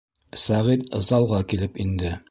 Сәғит залға килеп инде: